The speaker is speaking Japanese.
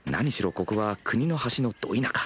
ここは国の端のド田舎。